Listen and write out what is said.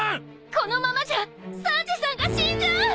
このままじゃサンジさんが死んじゃう！